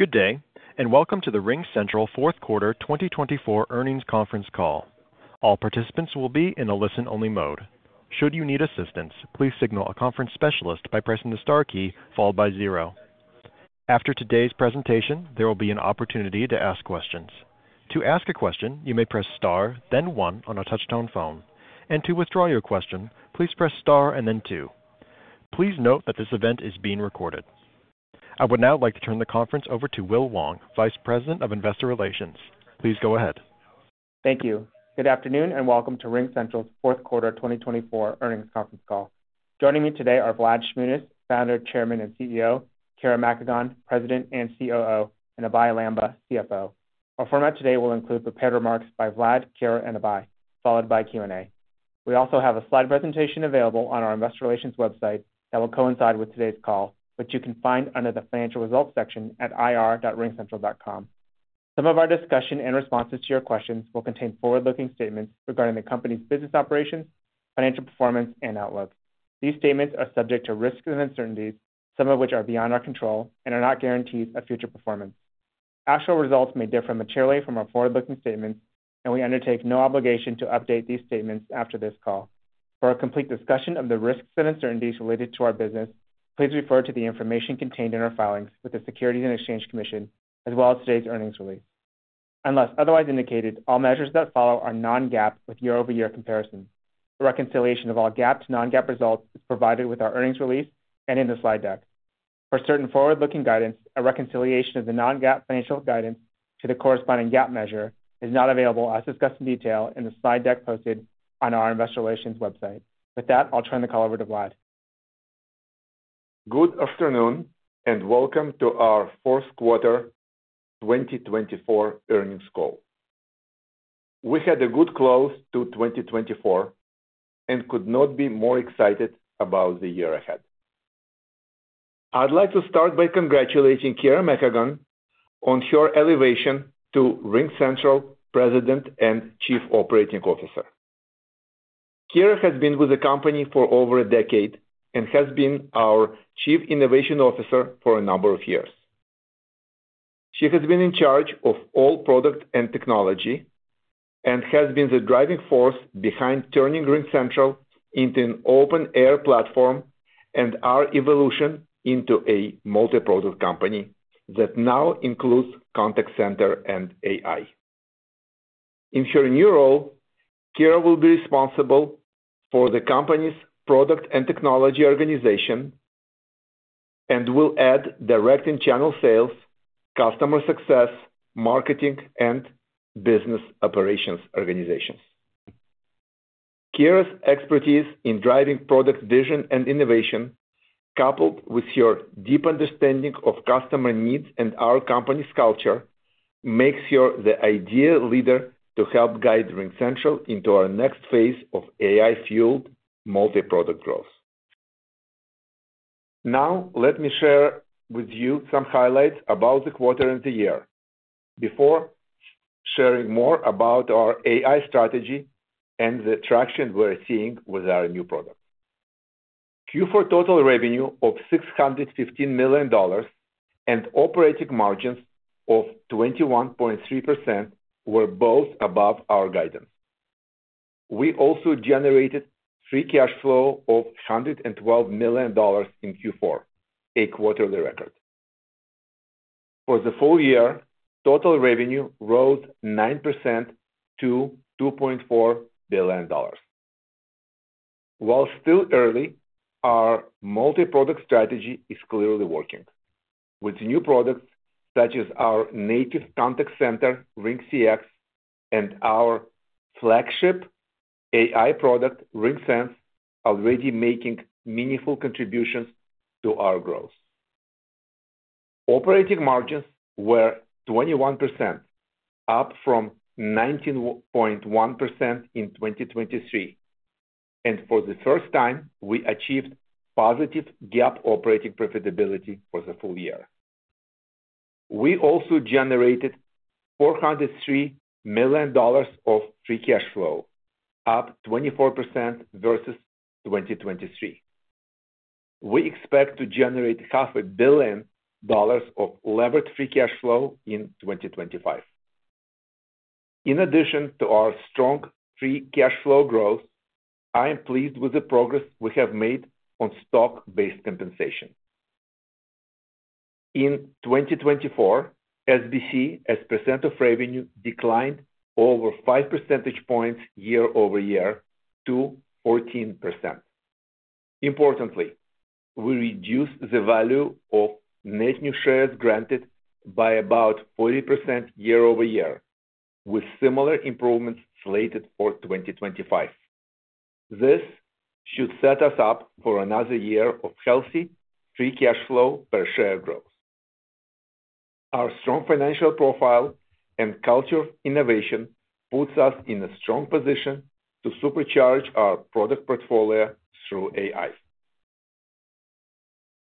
Good day, and Welcome to the RingCentral Fourth Quarter 2024 Earnings Conference Call. All participants will be in a listen-only mode. Should you need assistance, please signal a conference specialist by pressing the star key followed by zero. After today's presentation, there will be an opportunity to ask questions. To ask a question, you may press star, then one on a touch-tone phone. And to withdraw your question, please press star and then two. Please note that this event is being recorded. I would now like to turn the conference over to Will Wong, Vice President of Investor Relations. Please go ahead. Thank you. Good afternoon and welcome to RingCentral's Fourth Quarter 2024 Earnings Conference Call. Joining me today are Vlad Shmunis, Founder, Chairman, and CEO, Kira Makagon, President and COO, and Abhey Lamba, CFO. Our format today will include prepared remarks by Vlad, Kira, and Abhey, followed by Q&A. We also have a slide presentation available on our Investor Relations website that will coincide with today's call, which you can find under the Financial Results section at ir.ringcentral.com. Some of our discussion and responses to your questions will contain forward-looking statements regarding the company's business operations, financial performance, and outlook. These statements are subject to risks and uncertainties, some of which are beyond our control and are not guarantees of future performance. Actual results may differ materially from our forward-looking statements, and we undertake no obligation to update these statements after this call. For a complete discussion of the risks and uncertainties related to our business, please refer to the information contained in our filings with the Securities and Exchange Commission, as well as today's earnings release. Unless otherwise indicated, all measures that follow are non-GAAP with year-over-year comparison. A reconciliation of all GAAP to non-GAAP results is provided with our earnings release and in the slide deck. For certain forward-looking guidance, a reconciliation of the non-GAAP financial guidance to the corresponding GAAP measure is not available, as discussed in detail in the slide deck posted on our Investor Relations website. With that, I'll turn the call over to Vlad. Good afternoon and welcome to our Fourth Quarter 2024 Earnings Call. We had a good close to 2024 and could not be more excited about the year ahead. I'd like to start by congratulating Kira Makagon on her elevation to RingCentral President and Chief Operating Officer. Kira has been with the company for over a decade and has been our Chief Innovation Officer for a number of years. She has been in charge of all product and technology and has been the driving force behind turning RingCentral into an open AI platform and our evolution into a multi-product company that now includes contact center and AI. In her new role, Kira will be responsible for the company's product and technology organization and will add direct and channel sales, customer success, marketing, and business operations organizations. Kira's expertise in driving product vision and innovation, coupled with her deep understanding of customer needs and our company's culture, makes her the ideal leader to help guide RingCentral into our next phase of AI-fueled multi-product growth. Now, let me share with you some highlights about the quarter and the year before sharing more about our AI strategy and the traction we're seeing with our new product. Q4 total revenue of $615 million and operating margins of 21.3% were both above our guidance. We also generated free cash flow of $112 million in Q4, a quarterly record. For the full year, total revenue rose 9% to $2.4 billion. While still early, our multi-product strategy is clearly working, with new products such as our native contact center, RingCX, and our flagship AI product, RingSense, already making meaningful contributions to our growth. Operating margins were 21%, up from 19.1% in 2023, and for the first time, we achieved positive GAAP operating profitability for the full year. We also generated $403 million of free cash flow, up 24% versus 2023. We expect to generate $500 million of levered free cash flow in 2025. In addition to our strong free cash flow growth, I am pleased with the progress we have made on stock-based compensation. In 2024, SBC, as percent of revenue, declined over 5 percentage points year-over-year to 14%. Importantly, we reduced the value of net new shares granted by about 40% year-over-year, with similar improvements slated for 2025. This should set us up for another year of healthy free cash flow per share growth. Our strong financial profile and culture of innovation puts us in a strong position to supercharge our product portfolio through AI.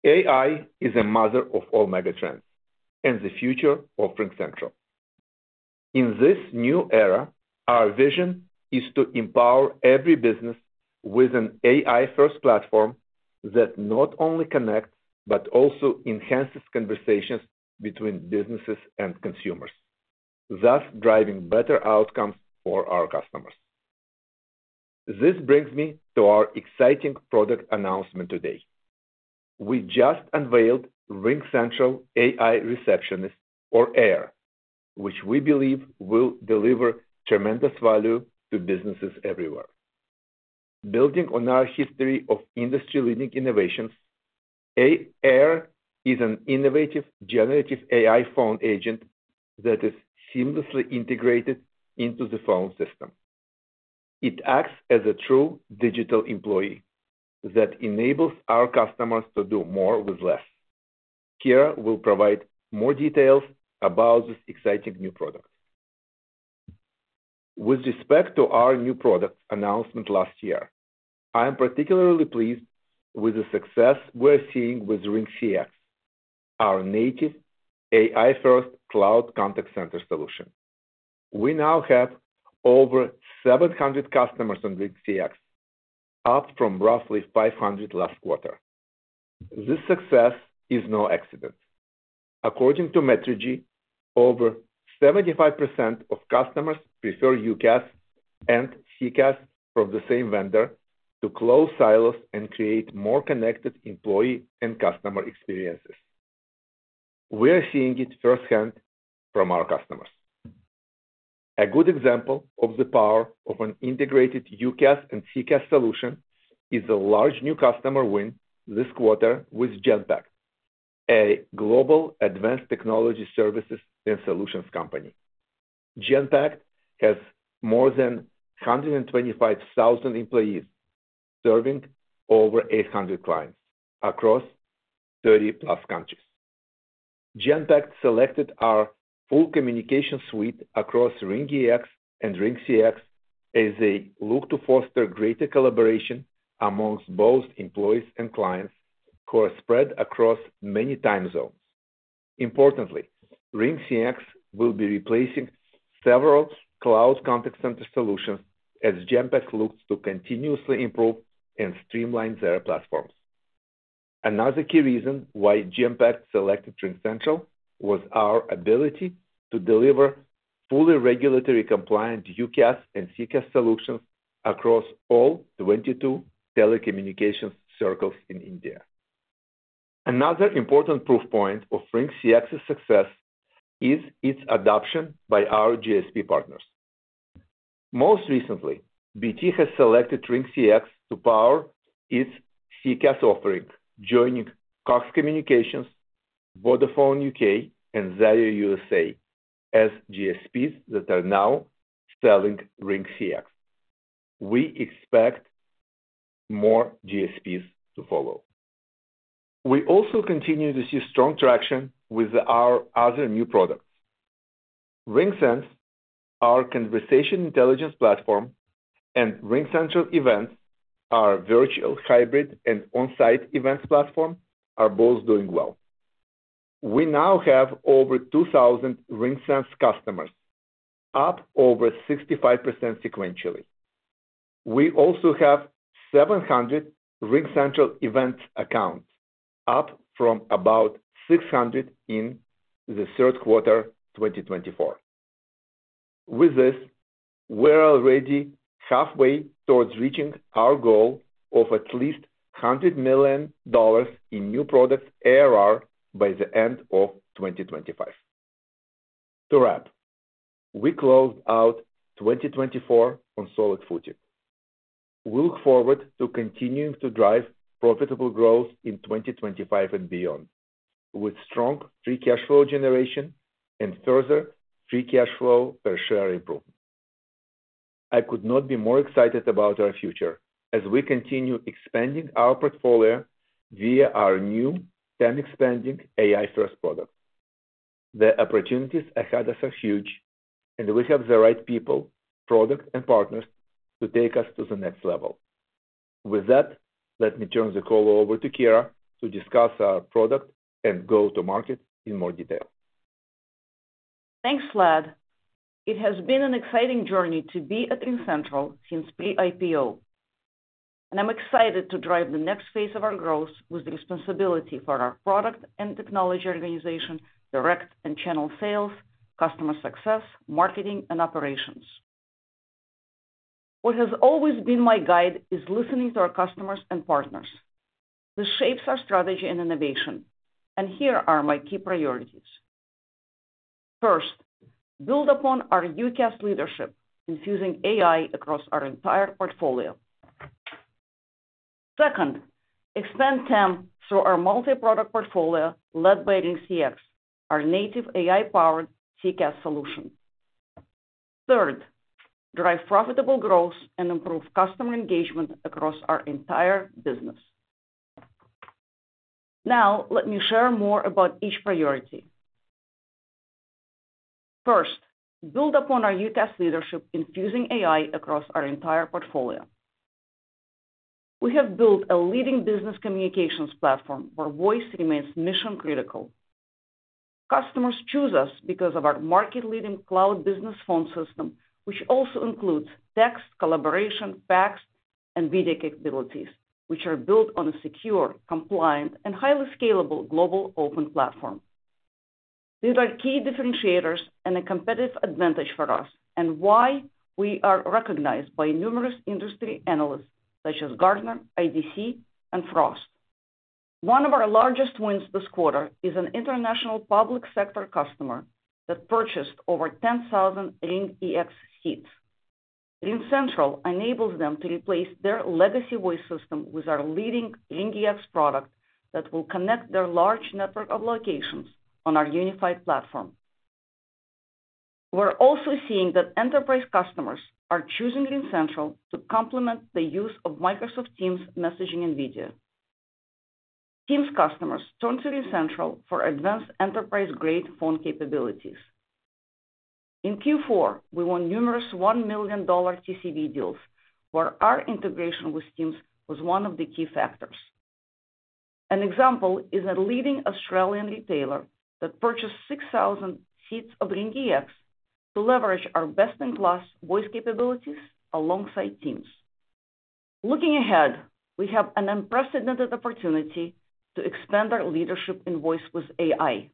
AI is the mother of all megatrends and the future of RingCentral. In this new era, our vision is to empower every business with an AI-first platform that not only connects but also enhances conversations between businesses and consumers, thus driving better outcomes for our customers. This brings me to our exciting product announcement today. We just unveiled RingCentral AI Receptionist, or AIR, which we believe will deliver tremendous value to businesses everywhere. Building on our history of industry-leading innovations, AIR is an innovative generative AI phone agent that is seamlessly integrated into the phone system. It acts as a true digital employee that enables our customers to do more with less. Kira will provide more details about this exciting new product. With respect to our new product announcement last year, I am particularly pleased with the success we're seeing with RingCX, our native AI-first cloud contact center solution. We now have over 700 customers on RingCX, up from roughly 500 last quarter. This success is no accident. According to Metrigy, over 75% of customers prefer UCaaS and CCaaS from the same vendor to close silos and create more connected employee and customer experiences. We are seeing it firsthand from our customers. A good example of the power of an integrated UCaaS and CCaaS solution is a large new customer win this quarter with Genpact, a global advanced technology services and solutions company. Genpact has more than 125,000 employees serving over 800 clients across 30-plus countries. Genpact selected our full communication suite across RingEX and RingCX as they look to foster greater collaboration among both employees and clients who are spread across many time zones. Importantly, RingCX will be replacing several cloud contact center solutions as Genpact looks to continuously improve and streamline their platforms. Another key reason why Genpact selected RingCentral was our ability to deliver fully regulatory-compliant UCaaS and CCaaS solutions across all 22 telecommunications circles in India. Another important proof point of RingCX's success is its adoption by our GSP partners. Most recently, BT has selected RingCX to power its CCaaS offering, joining Cox Communications, Vodafone U.K., and Zayo USA as GSPs that are now selling RingCX. We expect more GSPs to follow. We also continue to see strong traction with our other new products. RingSense, our conversation intelligence platform, and RingCentral Events, our virtual hybrid and on-site events platform, are both doing well. We now have over 2,000 RingSense customers, up over 65% sequentially. We also have 700 RingCentral Events accounts, up from about 600 in the third quarter 2024. With this, we're already halfway towards reaching our goal of at least $100 million in new products ARR by the end of 2025. To wrap, we closed out 2024 on solid footing. We look forward to continuing to drive profitable growth in 2025 and beyond, with strong free cash flow generation and further free cash flow per share improvement. I could not be more excited about our future as we continue expanding our portfolio via our new, TAM-expanding AI-first product. The opportunities ahead us are huge, and we have the right people, product, and partners to take us to the next level. With that, let me turn the call over to Kira to discuss our product and go-to-market in more detail. Thanks, Vlad. It has been an exciting journey to be at RingCentral since pre-IPO, and I'm excited to drive the next phase of our growth with the responsibility for our product and technology organization, direct and channel sales, customer success, marketing, and operations. What has always been my guide is listening to our customers and partners. This shapes our strategy and innovation, and here are my key priorities. First, build upon our UCaaS leadership, infusing AI across our entire portfolio. Second, expand TAM through our multi-product portfolio led by RingCX, our native AI-powered CCaaS solution. Third, drive profitable growth and improve customer engagement across our entire business. Now, let me share more about each priority. First, build upon our UCaaS leadership, infusing AI across our entire portfolio. We have built a leading business communications platform where voice remains mission-critical. Customers choose us because of our market-leading cloud business phone system, which also includes text, collaboration, fax, and video capabilities, which are built on a secure, compliant, and highly scalable global open platform. These are key differentiators and a competitive advantage for us and why we are recognized by numerous industry analysts such as Gartner, IDC, and Frost. One of our largest wins this quarter is an international public sector customer that purchased over 10,000 RingCX seats. RingCentral enables them to replace their legacy voice system with our leading RingCX product that will connect their large network of locations on our unified platform. We're also seeing that enterprise customers are choosing RingCentral to complement the use of Microsoft Teams messaging and video. Teams customers turn to RingCentral for advanced enterprise-grade phone capabilities. In Q4, we won numerous $1 million TCV deals where our integration with Teams was one of the key factors. An example is a leading Australian retailer that purchased 6,000 seats of RingCX to leverage our best-in-class voice capabilities alongside Teams. Looking ahead, we have an unprecedented opportunity to expand our leadership in voice with AI.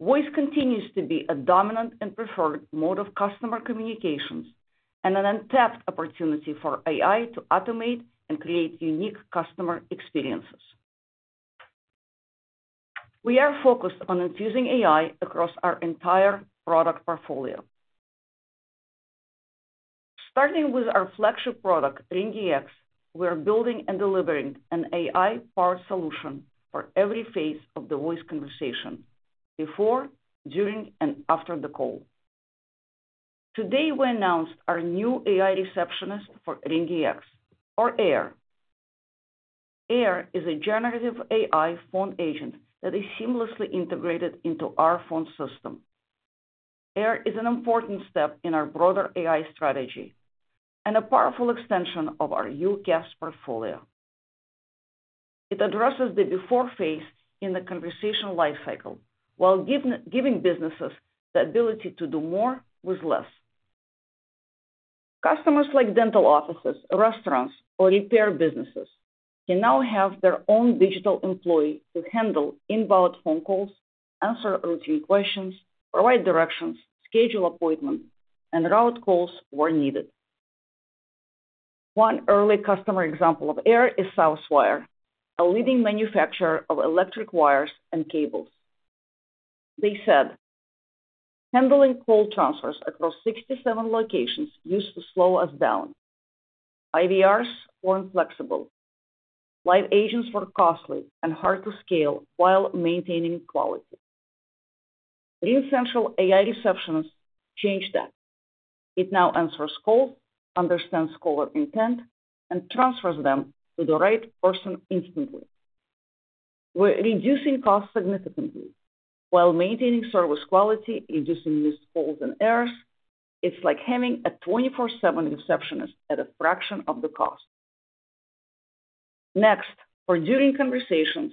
Voice continues to be a dominant and preferred mode of customer communications and an untapped opportunity for AI to automate and create unique customer experiences. We are focused on infusing AI across our entire product portfolio. Starting with our flagship product, RingCX, we are building and delivering an AI-powered solution for every phase of the voice conversation: before, during, and after the call. Today, we announced our new AI receptionist for RingCX, or AIR. AIR is a generative AI phone agent that is seamlessly integrated into our phone system. AIR is an important step in our broader AI strategy and a powerful extension of our UCaaS portfolio. It addresses the before phase in the conversation lifecycle while giving businesses the ability to do more with less. Customers like dental offices, restaurants, or repair businesses can now have their own digital employee to handle inbound phone calls, answer routine questions, provide directions, schedule appointments, and route calls where needed. One early customer example of AIR is Southwire, a leading manufacturer of electric wires and cables. They said, "Handling cold transfers across 67 locations used to slow us down. IVRs weren't flexible. Live agents were costly and hard to scale while maintaining quality." RingCentral AI Receptionist changed that. It now answers calls, understands caller intent, and transfers them to the right person instantly. We're reducing costs significantly while maintaining service quality, reducing missed calls and errors. It's like having a 24/7 receptionist at a fraction of the cost. Next, for during conversations,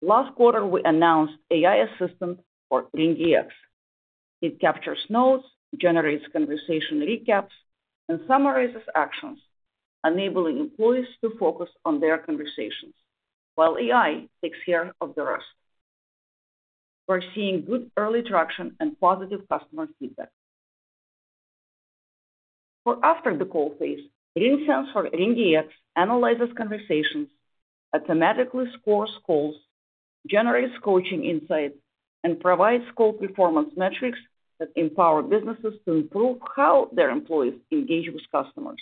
last quarter, we announced AI Assistant for RingCX. It captures notes, generates conversation recaps, and summarizes actions, enabling employees to focus on their conversations, while AI takes care of the rest. We're seeing good early traction and positive customer feedback. For after-the-call phase, RingSense for RingCX analyzes conversations, automatically scores calls, generates coaching insights, and provides call performance metrics that empower businesses to improve how their employees engage with customers.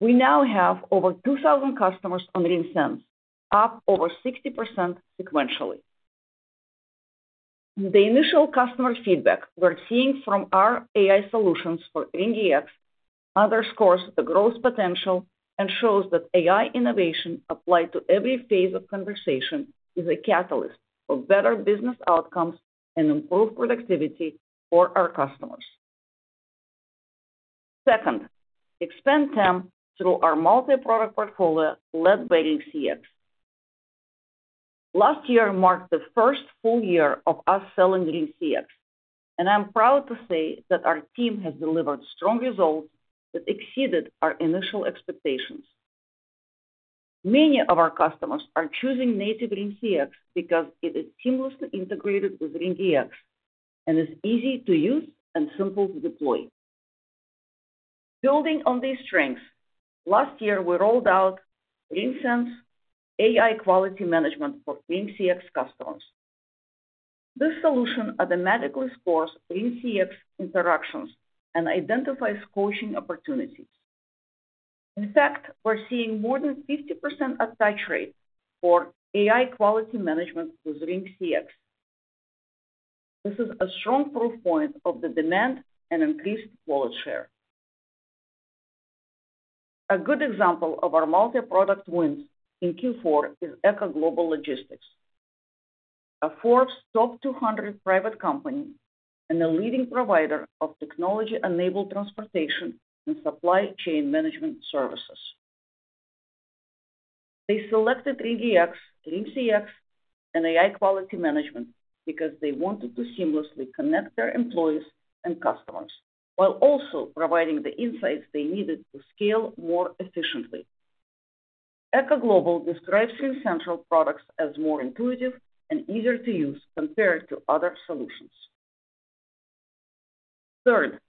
We now have over 2,000 customers on RingCX, up over 60% sequentially. The initial customer feedback we're seeing from our AI solutions for RingCX underscores the growth potential and shows that AI innovation applied to every phase of conversation is a catalyst for better business outcomes and improved productivity for our customers. Second, expand TAM through our multi-product portfolio led by RingCX. Last year marked the first full year of us selling RingCX, and I'm proud to say that our team has delivered strong results that exceeded our initial expectations. Many of our customers are choosing native RingCX because it is seamlessly integrated with RingCX and is easy to use and simple to deploy. Building on these strengths, last year, we rolled out RingCentral's AI Quality Management for RingCX customers. This solution automatically scores RingCX interactions and identifies coaching opportunities. In fact, we're seeing more than 50% attach rate for AI Quality Management with RingCX. This is a strong proof point of the demand and increased wallet share. A good example of our multi-product wins in Q4 is Echo Global Logistics, a Forbes Top 200 private company and a leading provider of technology-enabled transportation and supply chain management services. They selected RingCX and AI Quality Management because they wanted to seamlessly connect their employees and customers while also providing the insights they needed to scale more efficiently. Echo Global describes RingCentral products as more intuitive and easier to use compared to other solutions. Third,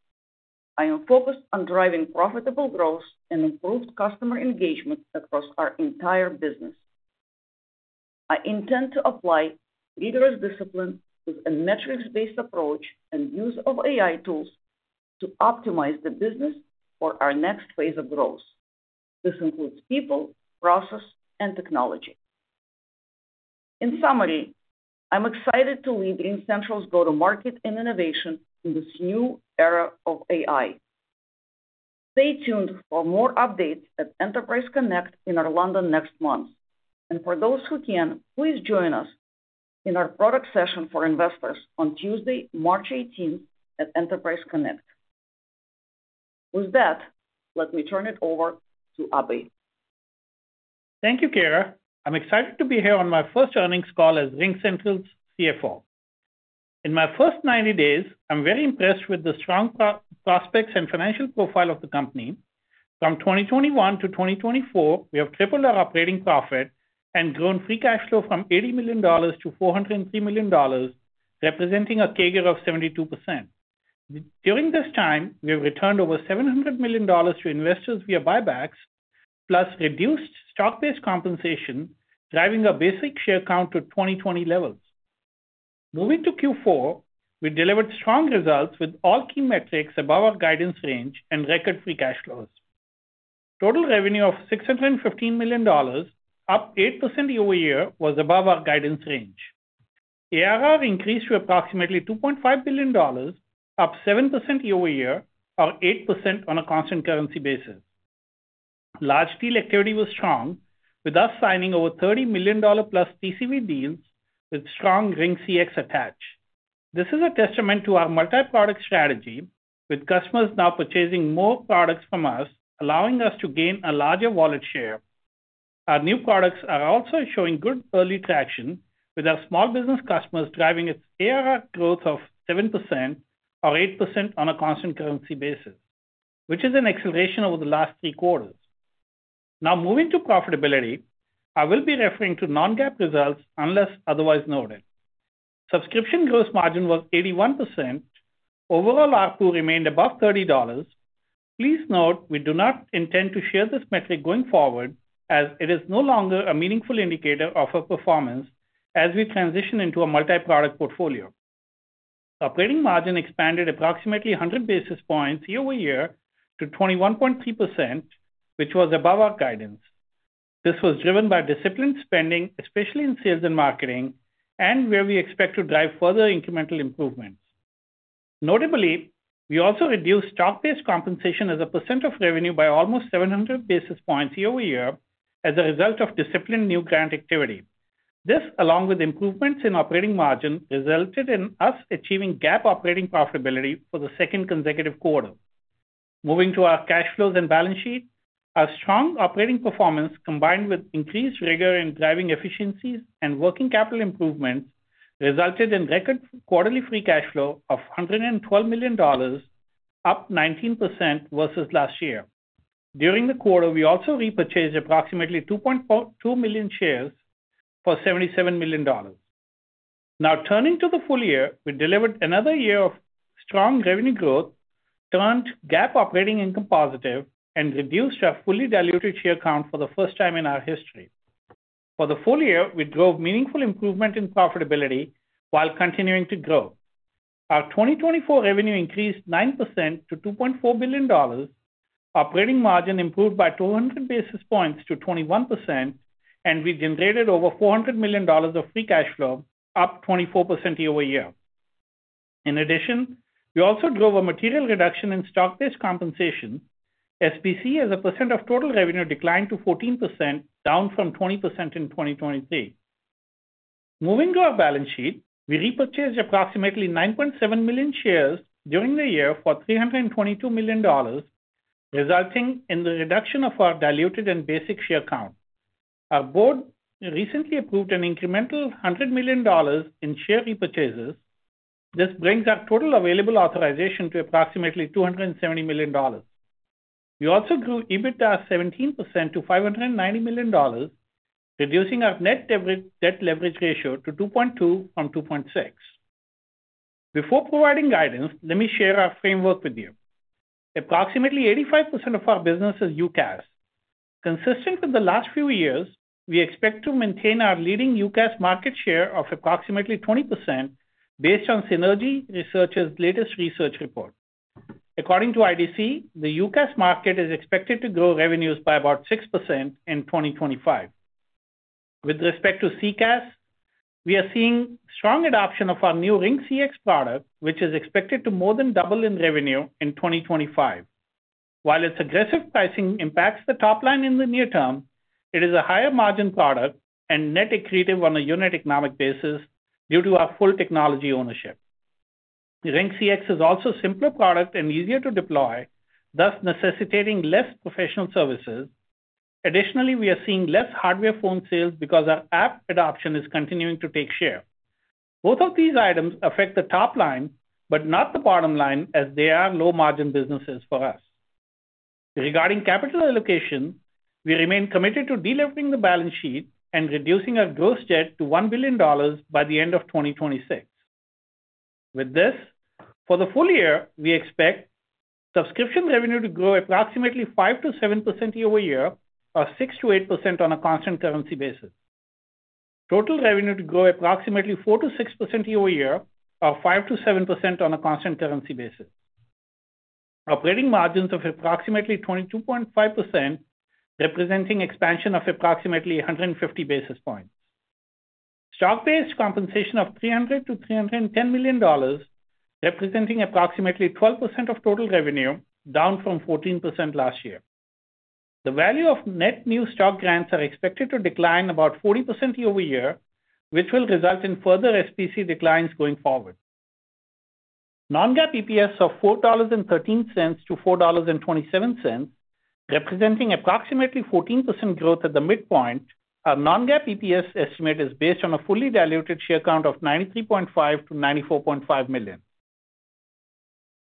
I am focused on driving profitable growth and improved customer engagement across our entire business. I intend to apply rigorous discipline with a metrics-based approach and use of AI tools to optimize the business for our next phase of growth. This includes people, process, and technology. In summary, I'm excited to lead RingCentral's go-to-market and innovation in this new era of AI. Stay tuned for more updates at Enterprise Connect in Orlando next month, and for those who can, please join us in our product session for investors on Tuesday, March 18, at Enterprise Connect. With that, let me turn it over to Abhey. Thank you, Kira. I'm excited to be here on my first earnings call as RingCentral's CFO. In my first 90 days, I'm very impressed with the strong prospects and financial profile of the company. From 2021 to 2024, we have tripled our operating profit and grown free cash flow from $80 million-$403 million, representing a CAGR of 72%. During this time, we have returned over $700 million to investors via buybacks, plus reduced stock-based compensation, driving our basic share count to 2020 levels. Moving to Q4, we delivered strong results with all key metrics above our guidance range and record free cash flows. Total revenue of $615 million, up 8% year-over-year, was above our guidance range. ARR increased to approximately $2.5 billion, up 7% year-over-year, or 8% on a constant currency basis. Large deal activity was strong, with us signing over $30 million plus TCV deals with strong RingCX attach. This is a testament to our multi-product strategy, with customers now purchasing more products from us, allowing us to gain a larger wallet share. Our new products are also showing good early traction, with our small business customers driving its ARR growth of 7% or 8% on a constant currency basis, which is an acceleration over the last three quarters. Now, moving to profitability, I will be referring to non-GAAP results unless otherwise noted. Subscription gross margin was 81%. Overall, our ARPU remained above $30. Please note, we do not intend to share this metric going forward, as it is no longer a meaningful indicator of our performance as we transition into a multi-product portfolio. Operating margin expanded approximately 100 basis points year-over-year to 21.3%, which was above our guidance. This was driven by disciplined spending, especially in sales and marketing, and where we expect to drive further incremental improvements. Notably, we also reduced stock-based compensation as a % of revenue by almost 700 basis points year-over-year as a result of disciplined new grant activity. This, along with improvements in operating margin, resulted in us achieving GAAP operating profitability for the second consecutive quarter. Moving to our cash flows and balance sheet, our strong operating performance combined with increased rigor in driving efficiencies and working capital improvements resulted in record quarterly free cash flow of $112 million, up 19% versus last year. During the quarter, we also repurchased approximately 2.2 million shares for $77 million. Now, turning to the full year, we delivered another year of strong revenue growth, turned GAAP operating income positive, and reduced our fully diluted share count for the first time in our history. For the full year, we drove meaningful improvement in profitability while continuing to grow. Our 2024 revenue increased 9% to $2.4 billion. Operating margin improved by 200 basis points to 21%, and we generated over $400 million of free cash flow, up 24% year-over-year. In addition, we also drove a material reduction in stock-based compensation. SBC, as a percent of total revenue, declined to 14%, down from 20% in 2023. Moving to our balance sheet, we repurchased approximately 9.7 million shares during the year for $322 million, resulting in the reduction of our diluted and basic share count. Our board recently approved an incremental $100 million in share repurchases. This brings our total available authorization to approximately $270 million. We also grew EBITDA 17% to $590 million, reducing our net debt leverage ratio to 2.2 from 2.6. Before providing guidance, let me share our framework with you. Approximately 85% of our business is UCaaS. Consistent with the last few years, we expect to maintain our leading UCaaS market share of approximately 20% based on Synergy Research's latest research report. According to IDC, the UCaaS market is expected to grow revenues by about 6% in 2025. With respect to CCaaS, we are seeing strong adoption of our new RingCX product, which is expected to more than double in revenue in 2025. While its aggressive pricing impacts the top line in the near term, it is a higher margin product and net accretive on a unit economic basis due to our full technology ownership. RingCX is also a simpler product and easier to deploy, thus necessitating less professional services. Additionally, we are seeing less hardware phone sales because our app adoption is continuing to take share. Both of these items affect the top line, but not the bottom line, as they are low-margin businesses for us. Regarding capital allocation, we remain committed to de-levering the balance sheet and reducing our gross debt to $1 billion by the end of 2026. With this, for the full year, we expect subscription revenue to grow approximately 5%-7% year-over-year, or 6%-8% on a constant currency basis. Total revenue to grow approximately 4%-6% year-over-year, or 5%-7% on a constant currency basis. Operating margins of approximately 22.5%, representing expansion of approximately 150 basis points. Stock-based compensation of $300 million-$310 million, representing approximately 12% of total revenue, down from 14% last year. The value of net new stock grants is expected to decline about 40% year-over-year, which will result in further SBC declines going forward. Non-GAAP EPS of $4.13-$4.27, representing approximately 14% growth at the midpoint. Our non-GAAP EPS estimate is based on a fully diluted share count of 93.5-94.5 million.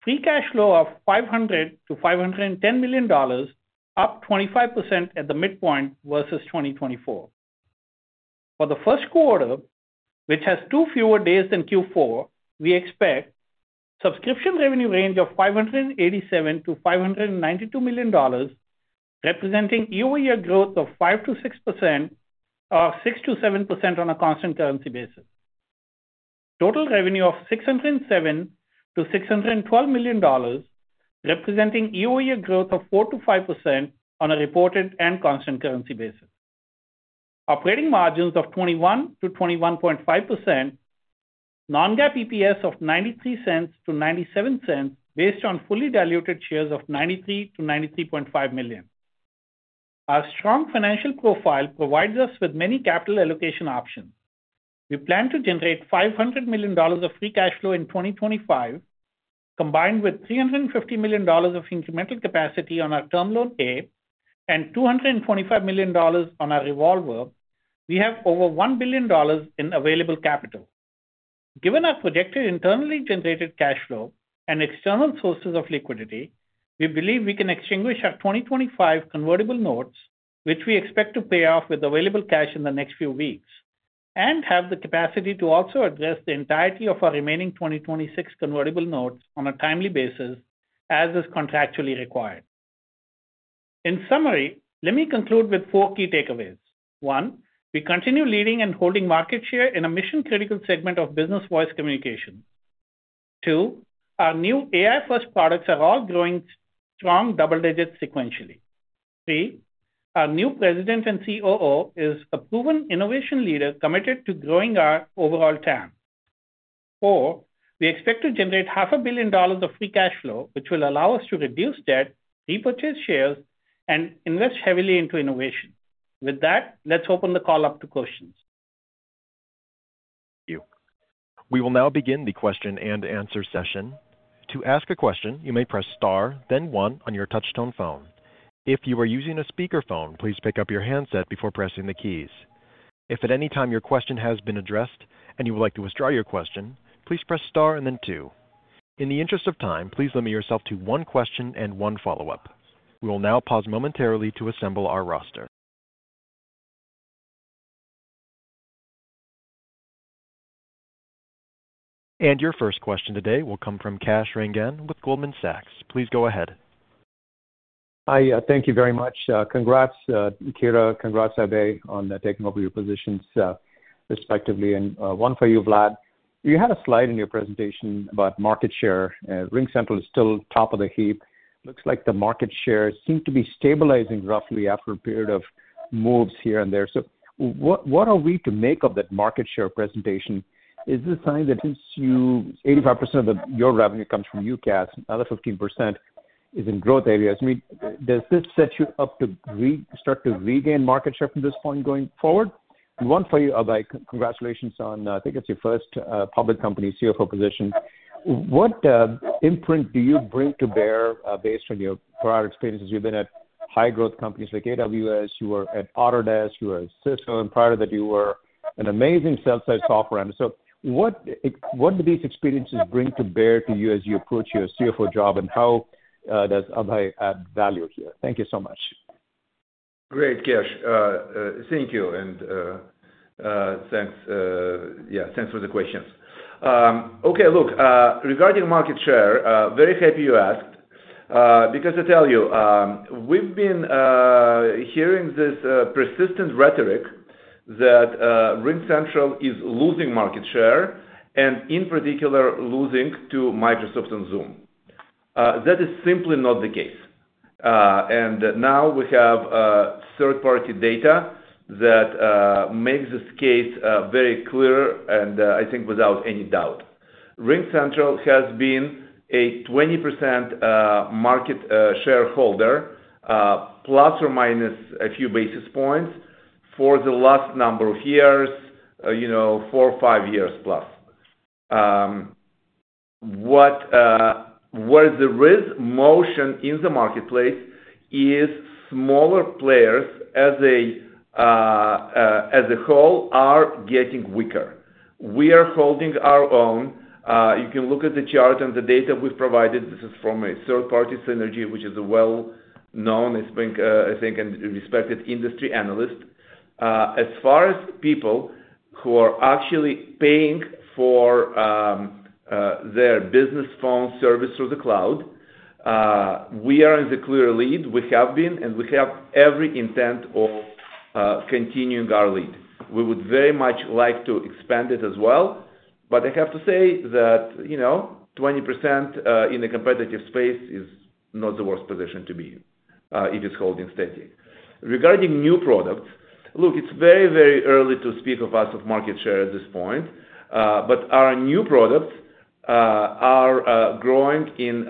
Free cash flow of $500 million-$510 million, up 25% at the midpoint versus 2024. For the first quarter, which has two fewer days than Q4, we expect subscription revenue range of $587 million-$592 million, representing year-over-year growth of 5%-6%, or 6%-7% on a constant currency basis. Total revenue of $607 million-$612 million, representing year-over-year growth of 4%-5% on a reported and constant currency basis. Operating margins of 21%-21.5%, non-GAAP EPS of $0.93-$0.97, based on fully diluted shares of 93-93.5 million. Our strong financial profile provides us with many capital allocation options. We plan to generate $500 million of free cash flow in 2025. Combined with $350 million of incremental capacity on our Term Loan A and $225 million on our Revolver, we have over $1 billion in available capital. Given our projected internally generated cash flow and external sources of liquidity, we believe we can extinguish our 2025 Convertible Notes, which we expect to pay off with available cash in the next few weeks, and have the capacity to also address the entirety of our remaining 2026 Convertible Notes on a timely basis, as is contractually required. In summary, let me conclude with four key takeaways. One, we continue leading and holding market share in a mission-critical segment of business voice communication. Two, our new AI-first products are all growing strong double digits sequentially. Three, our new President and COO is a proven innovation leader committed to growing our overall TAM. Four, we expect to generate $500 million of free cash flow, which will allow us to reduce debt, repurchase shares, and invest heavily into innovation. With that, let's open the call up to questions. Thank you. We will now begin the question and answer session. To ask a question, you may press star, then one on your touch-tone phone. If you are using a speakerphone, please pick up your handset before pressing the keys. If at any time your question has been addressed and you would like to withdraw your question, please press star and then two. In the interest of time, please limit yourself to one question and one follow-up. We will now pause momentarily to assemble our roster. And your first question today will come from Kash Rangan with Goldman Sachs. Please go ahead. Hi, thank you very much. Congrats, Kira, congrats Abhey on taking over your positions, respectively. And one for you, Vlad. You had a slide in your presentation about market share. RingCentral is still top of the heap. Looks like the market share seemed to be stabilizing roughly after a period of moves here and there. So what are we to make of that market share presentation? Is this sign that since 85% of your revenue comes from UCaaS, another 15% is in growth areas, does this set you up to start to regain market share from this point going forward? And one for you, Abhey. Congratulations on, I think it's your first public company CFO position. What imprint do you bring to bear based on your prior experiences? You've been at high-growth companies like AWS, you were at Autodesk, you were at Cisco prior to that, you were an amazing sell-side software vendor. So what do these experiences bring to bear to you as you approach your CFO job, and how does Abhey add value here? Thank you so much. Great, Kash. Thank you. And thanks for the questions. Okay, look, regarding market share, very happy you asked, because I tell you, we've been hearing this persistent rhetoric that RingCentral is losing market share, and in particular, losing to Microsoft and Zoom. That is simply not the case. And now we have third-party data that makes this case very clear, and I think without any doubt. RingCentral has been a 20% market share holder, plus or minus a few basis points for the last number of years, four or five years plus. Where there is motion in the marketplace is smaller players as a whole are getting weaker. We are holding our own. You can look at the chart and the data we've provided. This is from a third-party Synergy, which is a well-known, I think, and respected industry analyst. As far as people who are actually paying for their business phone service through the cloud, we are in the clear lead. We have been, and we have every intent of continuing our lead. We would very much like to expand it as well. But I have to say that 20% in a competitive space is not the worst position to be in if it's holding steady. Regarding new products, look, it's very, very early to speak of our market share at this point. But our new products are growing in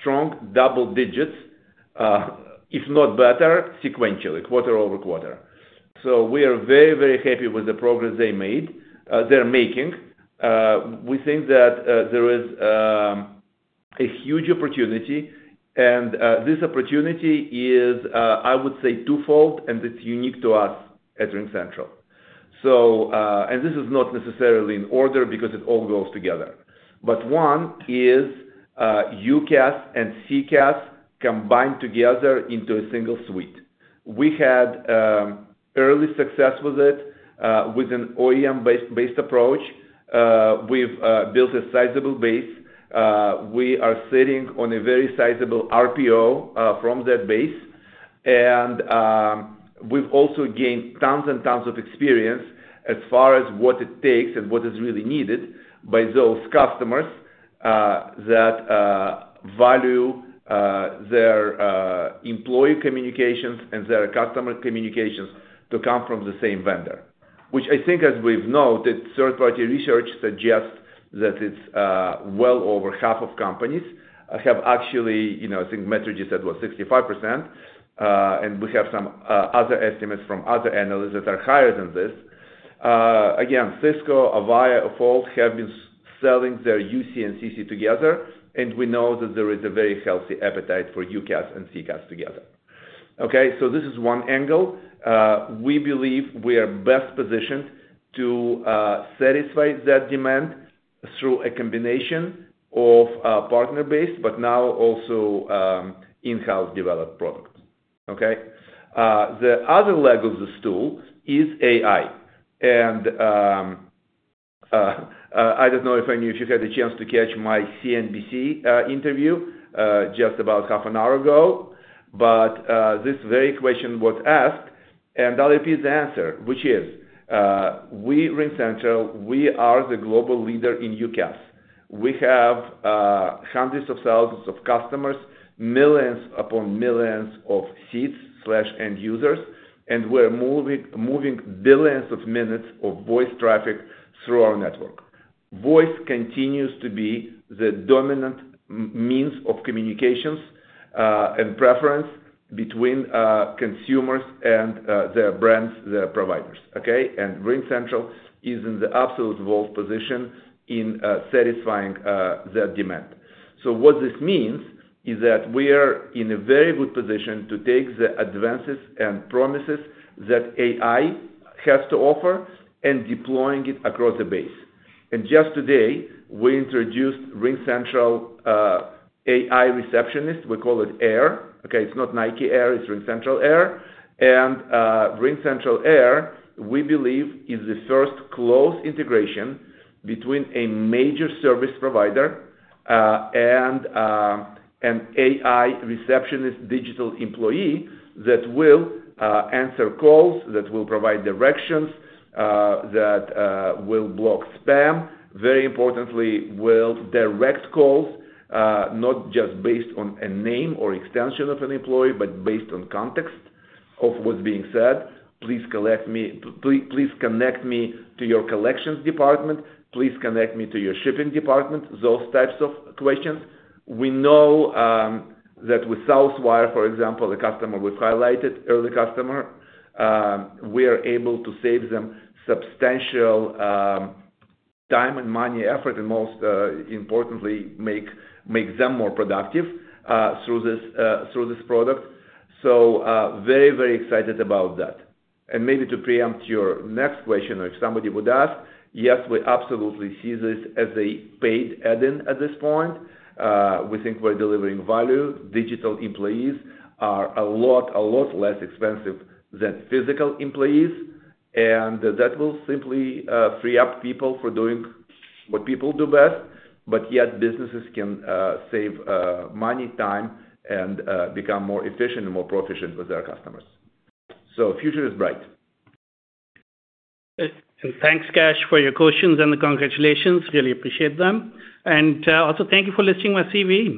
strong double digits, if not better, sequentially, quarter-over-quarter. So we are very, very happy with the progress they're making. We think that there is a huge opportunity, and this opportunity is, I would say, twofold, and it's unique to us at RingCentral. And this is not necessarily in order because it all goes together. But one is UCaaS and CCaaS combined together into a single suite. We had early success with it with an OEM-based approach. We've built a sizable base. We are sitting on a very sizable RPO from that base. And we've also gained tons and tons of experience as far as what it takes and what is really needed by those customers that value their employee communications and their customer communications to come from the same vendor. Which I think, as we've noted, third-party research suggests that it's well over half of companies have actually. I think Metrigy just said was 65%. And we have some other estimates from other analysts that are higher than this. Again, Cisco, Avaya, and 8x8 have been selling their UC and CC together, and we know that there is a very healthy appetite for UCaaS and CCaaS together. Okay, so this is one angle. We believe we are best positioned to satisfy that demand through a combination of partner-based, but now also in-house developed products. Okay, the other leg of the stool is AI. And I don't know if you had a chance to catch my CNBC interview just about half an hour ago, but this very question was asked, and I'll repeat the answer, which is, "We, RingCentral, we are the global leader in UCaaS. We have hundreds of thousands of customers, millions upon millions of seats/end users, and we're moving billions of minutes of voice traffic through our network. Voice continues to be the dominant means of communications and preference between consumers and their brands, their providers." Okay, and RingCentral is in the absolutely enviable position in satisfying that demand. So what this means is that we are in a very good position to take the advances and promises that AI has to offer and deploy it across the base. And just today, we introduced RingCentral AI Receptionist. We call it AIR. Okay, it's not Nike Air, it's RingCentral AIR. And RingCentral AIR, we believe, is the first close integration between a major service provider and an AI receptionist digital employee that will answer calls, that will provide directions, that will block spam. Very importantly, will direct calls, not just based on a name or extension of an employee, but based on context of what's being said. Please connect me to your collections department. Please connect me to your shipping department, those types of questions. We know that with Southwire, for example, the customer we've highlighted, early customer, we are able to save them substantial time, money, effort, and most importantly, make them more productive through this product. So very, very excited about that. And maybe to preempt your next question, or if somebody would ask, yes, we absolutely see this as a paid add-in at this point. We think we're delivering value. Digital employees are a lot, a lot less expensive than physical employees. And that will simply free up people for doing what people do best. But yet, businesses can save money, time, and become more efficient and more proficient with their customers. So the future is bright. Thanks, Kash, for your questions and the congratulations. I really appreciate them, and also thank you for listing my CV.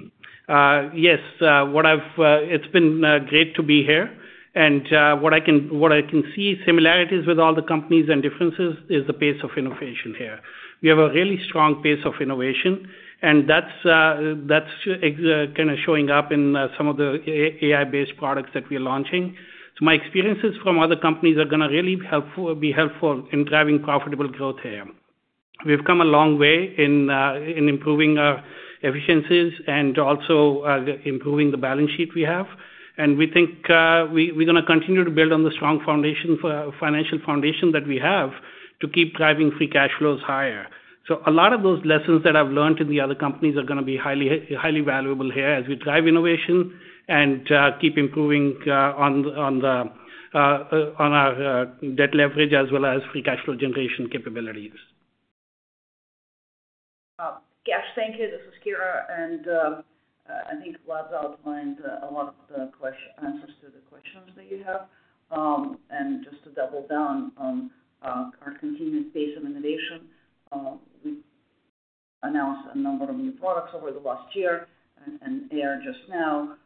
Yes, it's been great to be here, and what I can see, similarities with all the companies and differences is the pace of innovation here. We have a really strong pace of innovation, and that's kind of showing up in some of the AI-based products that we are launching. So my experiences from other companies are going to really be helpful in driving profitable growth here. We've come a long way in improving our efficiencies and also improving the balance sheet we have, and we think we're going to continue to build on the strong financial foundation that we have to keep driving free cash flows higher. A lot of those lessons that I've learned in the other companies are going to be highly valuable here as we drive innovation and keep improving on our debt leverage as well as free cash flow generation capabilities. Kash, thank you. This is Kira. And I think Vlad's outlined a lot of the answers to the questions that you have. And just to double down on our continuous base of innovation, we announced a number of new products over the last year and AIR just now,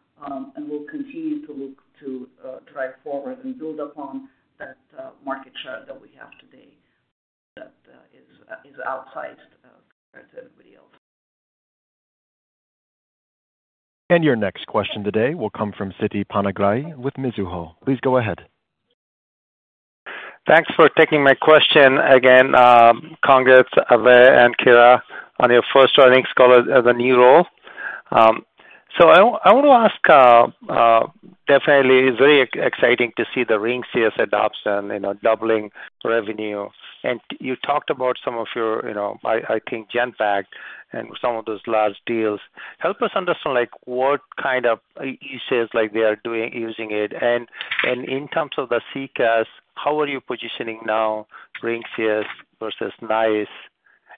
and we'll continue to look to drive forward and build upon that market share that we have today that is outsized compared to everybody else. Your next question today will come from Siti Panigrahi with Mizuho. Please go ahead. Thanks for taking my question again. Congrats, Abhey and Kira, on your first earnings call at the new role. So I want to ask, definitely, it's very exciting to see the RingCX adoption, doubling revenue. And you talked about some of your, I think, Genpact and some of those large deals. Help us understand what kind of use they are using it. And in terms of the CCaaS, how are you positioning now RingCX versus NICE?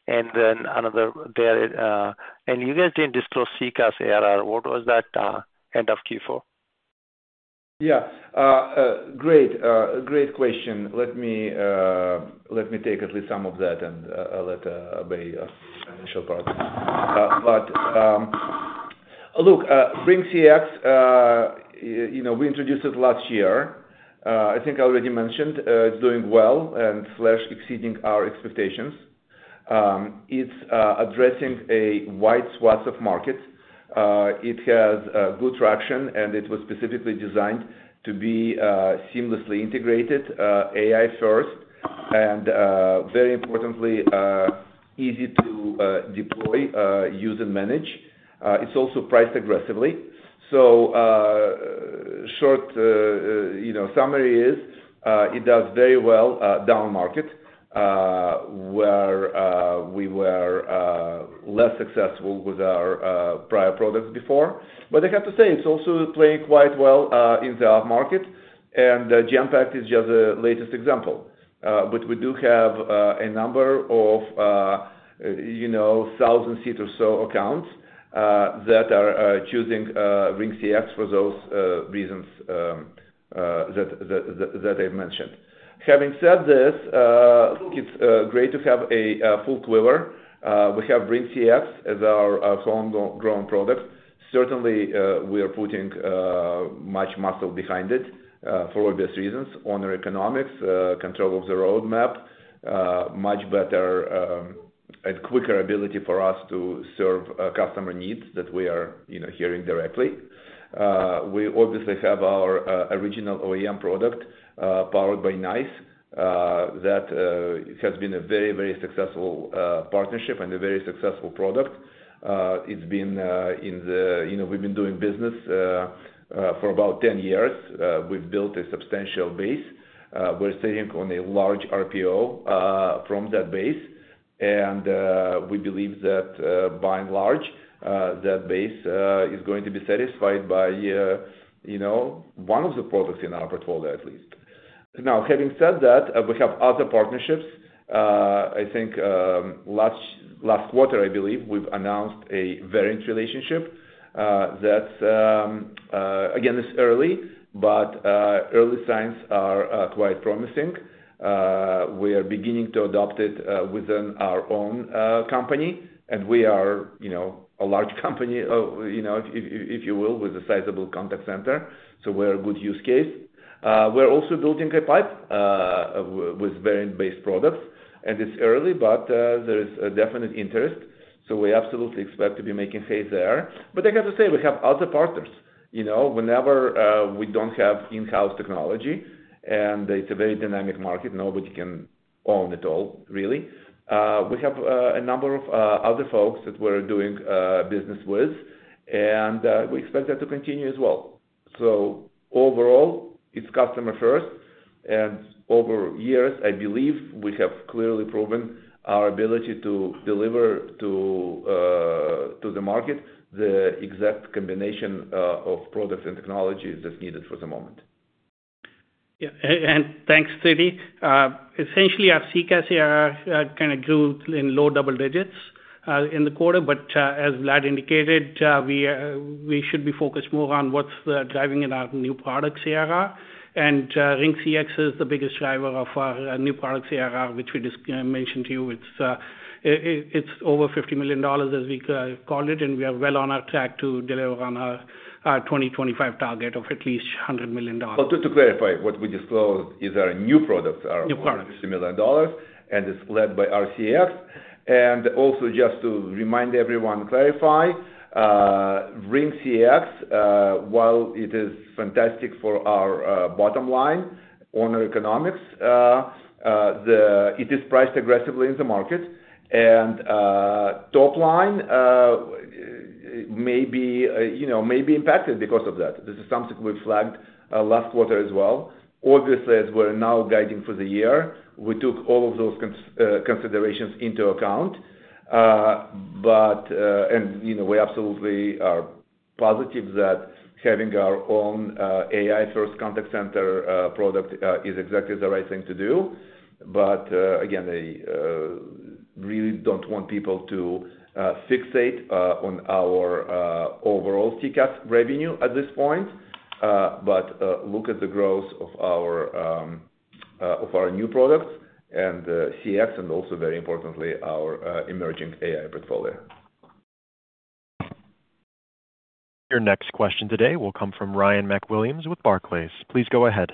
And then another there, and you guys didn't disclose CCaaS ARR. What was that end of Q4? Yeah, great. Great question. Let me take at least some of that and let Abhey finish her part. But look, RingCX, we introduced it last year. I think I already mentioned it's doing well and exceeding our expectations. It's addressing a wide swath of markets. It has good traction, and it was specifically designed to be seamlessly integrated, AI-first, and very importantly, easy to deploy, use, and manage. It's also priced aggressively. So short summary is it does very well down market, where we were less successful with our prior products before. But I have to say it's also playing quite well in the up market. And Genpact is just the latest example. But we do have a number of thousand seat or so accounts that are choosing RingCX for those reasons that I've mentioned. Having said this, look, it's great to have a full quiver. We have RingCX as our homegrown product. Certainly, we are putting much muscle behind it for obvious reasons: own economics, control of the roadmap, much better and quicker ability for us to serve customer needs that we are hearing directly. We obviously have our original OEM product powered by NICE that has been a very, very successful partnership and a very successful product. It's been in the market. We've been doing business for about 10 years. We've built a substantial base. We're sitting on a large RPO from that base. And we believe that by and large, that base is going to be satisfied by one of the products in our portfolio, at least. Now, having said that, we have other partnerships. I think last quarter, I believe, we've announced a Verint relationship. That's, again, it's early, but early signs are quite promising. We are beginning to adopt it within our own company. And we are a large company, if you will, with a sizable contact center. So we're a good use case. We're also building a pipe with Verint-based products. And it's early, but there is definite interest. So we absolutely expect to be making haste there. But I have to say we have other partners. Whenever we don't have in-house technology, and it's a very dynamic market, nobody can own it all, really. We have a number of other folks that we're doing business with, and we expect that to continue as well. So overall, it's customer-first. And over years, I believe we have clearly proven our ability to deliver to the market the exact combination of products and technologies that's needed for the moment. Yeah, and thanks, Siti. Essentially, our CCaaS ARR kind of grew in low double digits in the quarter. But as Vlad indicated, we should be focused more on what's driving in our new products ARR. And RingCX is the biggest driver of our new products ARR, which we just mentioned to you. It's over $50 million, as we call it. And we are well on our track to deliver on our 2025 target of at least $100 million. Just to clarify, what we disclosed is our new products are $50 million, and it's led by RingCX. Also, just to remind everyone, clarify, RingCX, while it is fantastic for our bottom line, unit economics, it is priced aggressively in the market. Top line may be impacted because of that. This is something we flagged last quarter as well. Obviously, as we're now guiding for the year, we took all of those considerations into account. We absolutely are positive that having our own AI-first contact center product is exactly the right thing to do. Again, I really don't want people to fixate on our overall CCaaS revenue at this point. Look at the growth of our new products and CX, and also, very importantly, our emerging AI portfolio. Your next question today will come from Ryan MacWilliams with Barclays. Please go ahead.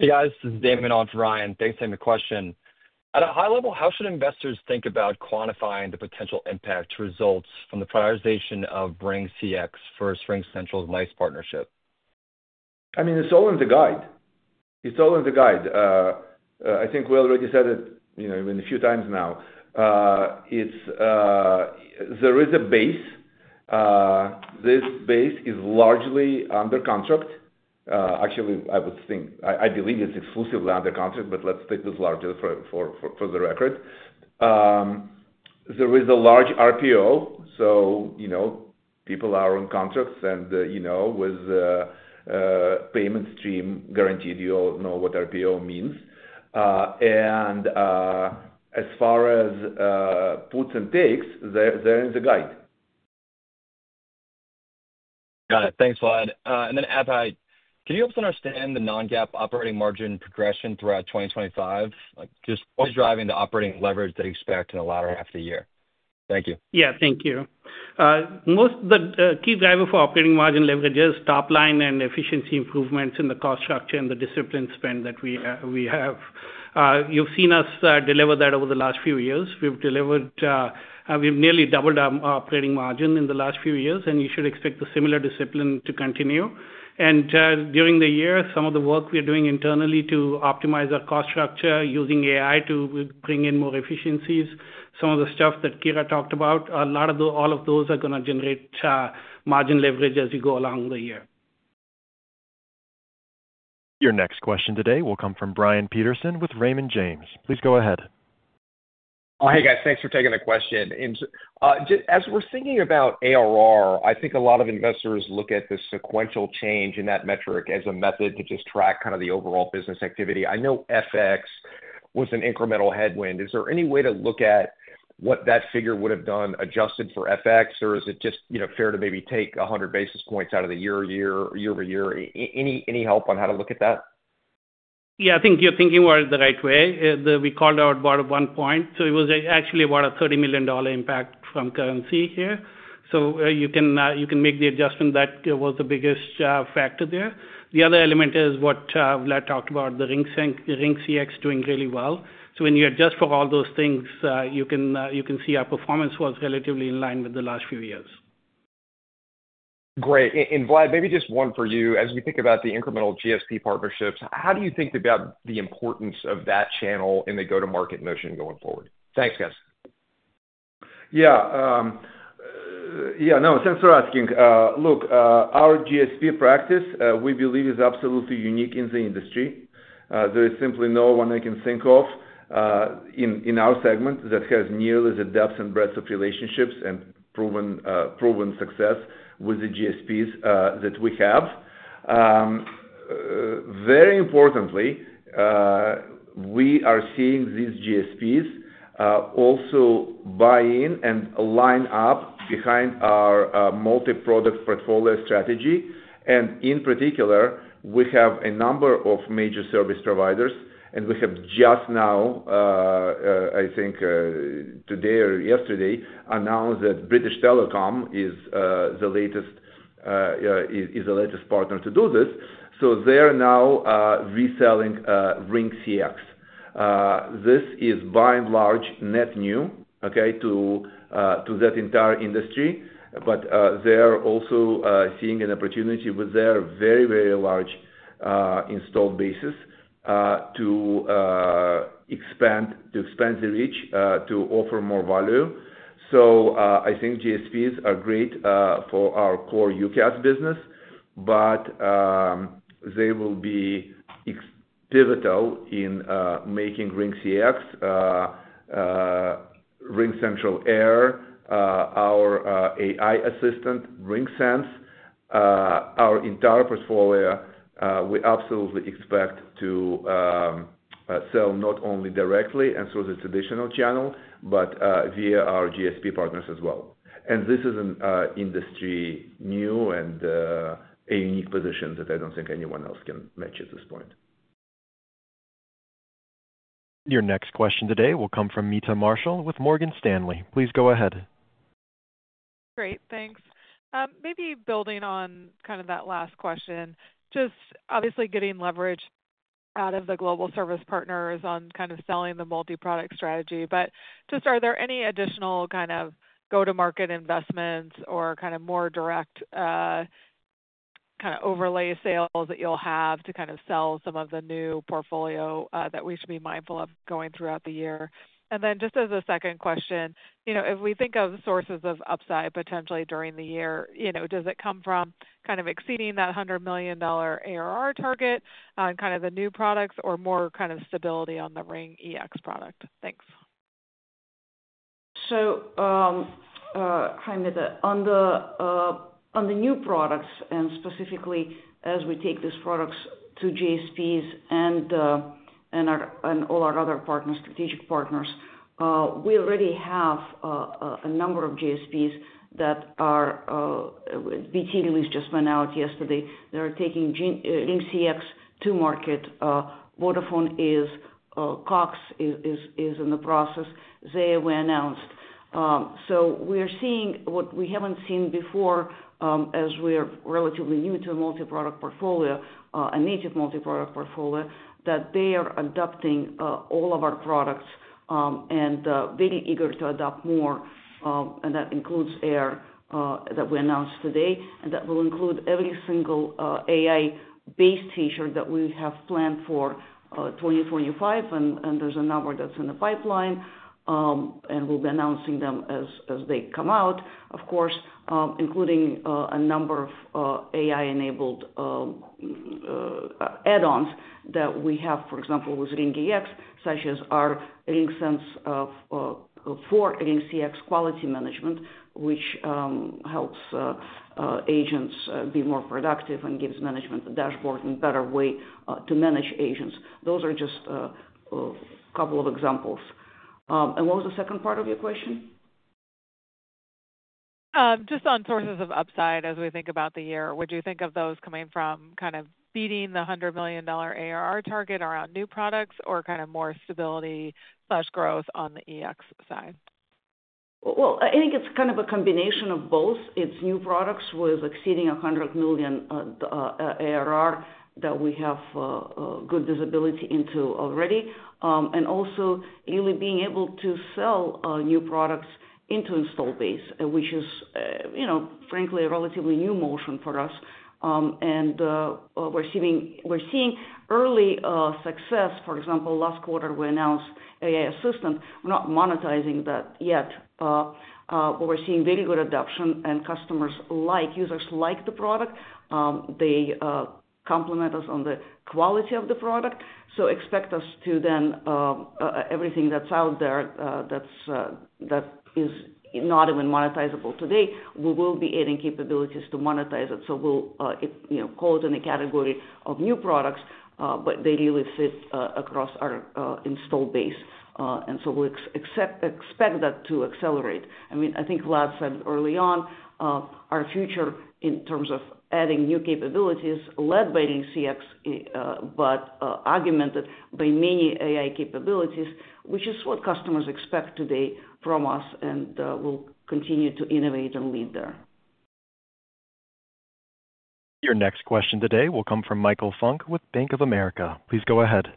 Hey, guys. This is Damon on Ryan. Thanks for the question. At a high level, how should investors think about quantifying the potential impact results from the prioritization of RingCX versus RingCentral's NICE partnership? I mean, it's all in the guide. It's all in the guide. I think we already said it a few times now. There is a base. This base is largely under contract. Actually, I believe it's exclusively under contract, but let's take this largely for the record. There is a large RPO. So people are on contracts and with payment stream guaranteed. You all know what RPO means. And as far as puts and takes, they're in the guide. Got it. Thanks, Vlad. And then, Abhey, can you help us understand the non-GAAP operating margin progression throughout 2025? Just what's driving the operating leverage that you expect in the latter half of the year? Thank you. Yeah, thank you. The key driver for operating margin leverage is top line and efficiency improvements in the cost structure and the discipline spend that we have. You've seen us deliver that over the last few years. We've nearly doubled our operating margin in the last few years, and you should expect the similar discipline to continue, and during the year, some of the work we're doing internally to optimize our cost structure using AI to bring in more efficiencies, some of the stuff that Kira talked about, a lot of all of those are going to generate margin leverage as we go along the year. Your next question today will come from Brian Peterson with Raymond James. Please go ahead. Oh, hey, guys. Thanks for taking the question. As we're thinking about ARR, I think a lot of investors look at the sequential change in that metric as a method to just track kind of the overall business activity. I know FX was an incremental headwind. Is there any way to look at what that figure would have done adjusted for FX, or is it just fair to maybe take 100 basis points out of the year-to-year, year-over-year? Any help on how to look at that? Yeah, I think you're thinking about it the right way. We called out about one point. So it was actually about a $30 million impact from currency here. So you can make the adjustment. That was the biggest factor there. The other element is what Vlad talked about, the RingCX doing really well. So when you adjust for all those things, you can see our performance was relatively in line with the last few years. Great. And Vlad, maybe just one for you. As we think about the incremental GSP partnerships, how do you think about the importance of that channel in the go-to-market motion going forward? Thanks, guys. Yeah. Yeah, no, thanks for asking. Look, our GSP practice, we believe, is absolutely unique in the industry. There is simply no one I can think of in our segment that has nearly the depth and breadth of relationships and proven success with the GSPs that we have. Very importantly, we are seeing these GSPs also buy in and line up behind our multi-product portfolio strategy. And in particular, we have a number of major service providers. And we have just now, I think today or yesterday, announced that British Telecom is the latest partner to do this. So they're now reselling RingCX. This is by and large net new, okay, to that entire industry. But they're also seeing an opportunity with their very, very large installed base to expand the reach, to offer more value. So I think GSPs are great for our core UCaaS business, but they will be pivotal in making RingCX, RingCentral AIR, our AI assistant, RingSense, our entire portfolio. We absolutely expect to sell not only directly and through the traditional channel, but via our GSP partners as well. And this is an industry-new and a unique position that I don't think anyone else can match at this point. Your next question today will come from Meta Marshall with Morgan Stanley. Please go ahead. Great. Thanks. Maybe building on kind of that last question, just obviously getting leverage out of the global service partners on kind of selling the multi-product strategy. But just are there any additional kind of go-to-market investments or kind of more direct kind of overlay sales that you'll have to kind of sell some of the new portfolio that we should be mindful of going throughout the year? And then just as a second question, if we think of sources of upside potentially during the year, does it come from kind of exceeding that $100 million ARR target on kind of the new products or more kind of stability on the RingEX product? Thanks. Hi there. On the new products, and specifically as we take these products to GSPs and all our other strategic partners, we already have a number of GSPs that the beta release just went out yesterday. They're taking RingCX to market. Vodafone, Cox is in the process. Zayo, we announced. We are seeing what we haven't seen before as we are relatively new to a multi-product portfolio, a native multi-product portfolio, that they are adopting all of our products and very eager to adopt more. That includes AIR that we announced today and that will include every single AI-based feature that we have planned for 2025. There's a number that's in the pipeline. We'll be announcing them as they come out, of course, including a number of AI-enabled add-ons that we have, for example, with RingEX, such as our RingSense for RingCX quality management, which helps agents be more productive and gives management a dashboard and a better way to manage agents. Those are just a couple of examples. What was the second part of your question? Just on sources of upside as we think about the year, would you think of those coming from kind of beating the $100 million ARR target around new products or kind of more stability/growth on the EX side? I think it's kind of a combination of both. It's new products exceeding 100 million ARR that we have good visibility into already. We are also really being able to sell new products into installed base, which is, frankly, a relatively new motion for us. We are seeing early success. For example, last quarter, we announced AI assistant. We are not monetizing that yet, but we are seeing very good adoption and customers and users like the product. They compliment us on the quality of the product. Expect us to monetize everything that's out there that is not even monetizable today. We will be adding capabilities to monetize it. We will call it in a category of new products, but they really fit across our installed base. We expect that to accelerate. I mean, I think Vlad said early on, our future in terms of adding new capabilities led by RingCX, but augmented by many AI capabilities, which is what customers expect today from us, and we'll continue to innovate and lead there. Your next question today will come from Michael Funk with Bank of America. Please go ahead.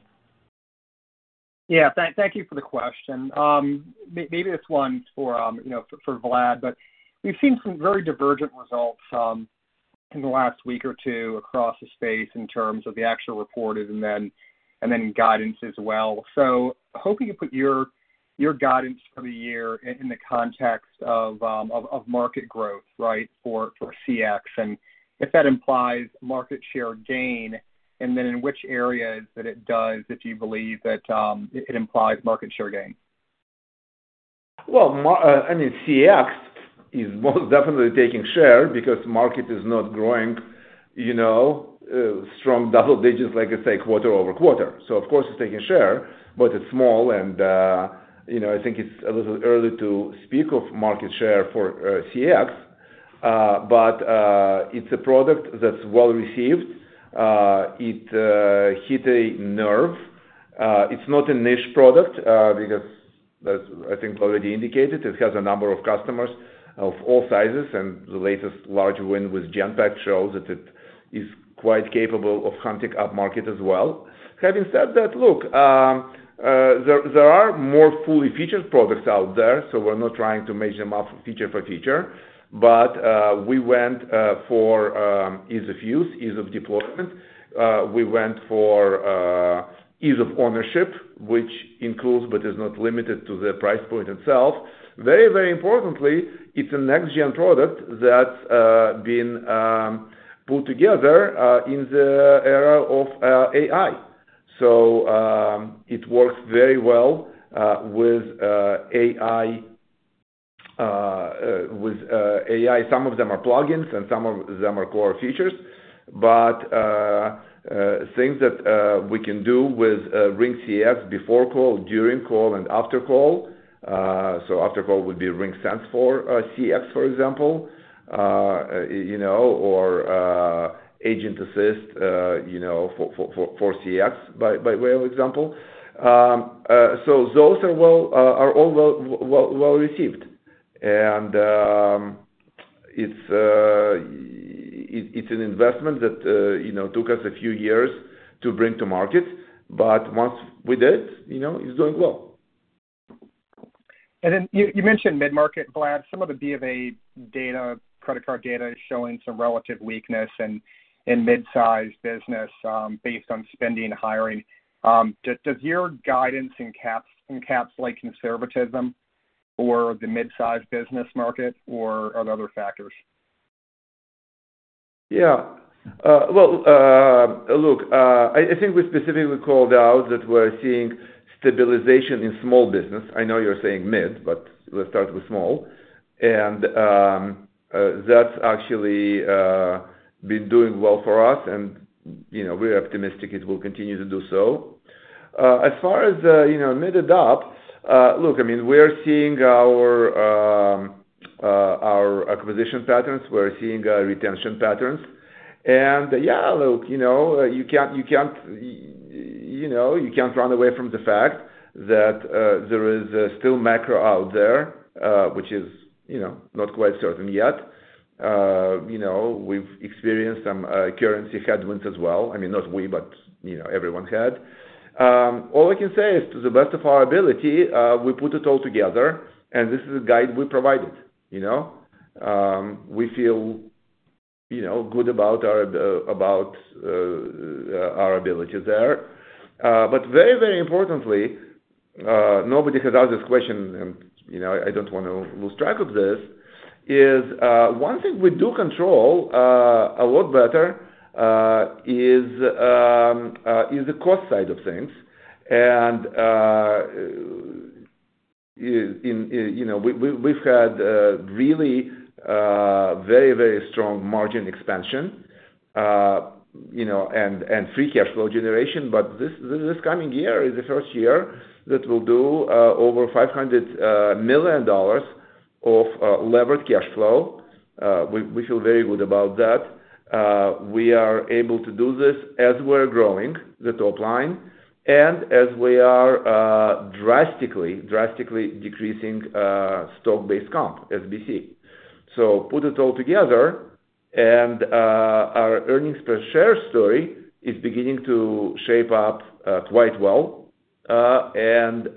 Yeah, thank you for the question. Maybe this one's for Vlad, but we've seen some very divergent results in the last week or two across the space in terms of the actual reported and then guidance as well. So, hoping you put your guidance for the year in the context of market growth, right, for CX. And if that implies market share gain, and then in which areas that it does if you believe that it implies market share gain? I mean, CX is most definitely taking share because the market is not growing strong double digits, like I say, quarter-over-quarter, so of course, it's taking share, but it's small, and I think it's a little early to speak of market share for CX, but it's a product that's well received. It hit a nerve. It's not a niche product because I think already indicated it has a number of customers of all sizes, and the latest large win with Genpact shows that it is quite capable of hunting up market as well. Having said that, look, there are more fully featured products out there, so we're not trying to measure them up feature for feature, but we went for ease of use, ease of deployment. We went for ease of ownership, which includes but is not limited to the price point itself. Very, very importantly, it's a Next-Gen product that's been put together in the era of AI. So it works very well with AI. Some of them are plugins, and some of them are core features. But things that we can do with RingCX before call, during call, and after call. So after call would be RingSense for CX, for example, or Agent Assist for CX, by way of example. So those are all well received. And it's an investment that took us a few years to bring to market. But once we did, it's doing well. And then you mentioned mid-market, Vlad. Some of the B of A data, credit card data is showing some relative weakness in mid-size business based on spending hiring. Does your guidance encapsulate conservatism or the mid-size business market, or are there other factors? Yeah. Well, look, I think we specifically called out that we're seeing stabilization in small business. I know you're saying mid, but let's start with small. And that's actually been doing well for us. And we're optimistic it will continue to do so. As far as mid adopt, look, I mean, we're seeing our acquisition patterns. We're seeing retention patterns. And yeah, look, you can't run away from the fact that there is still macro out there, which is not quite certain yet. We've experienced some currency headwinds as well. I mean, not we, but everyone had. All we can say is to the best of our ability, we put it all together. And this is the guide we provided. We feel good about our ability there. But very, very importantly, nobody has asked this question, and I don't want to lose track of this, is one thing we do control a lot better is the cost side of things, and we've had really very, very strong margin expansion and free cash flow generation, but this coming year is the first year that we'll do over $500 million of levered cash flow. We feel very good about that. We are able to do this as we're growing the top line and as we are drastically decreasing stock-based comp, SBC, so put it all together, and our earnings per share story is beginning to shape up quite well, and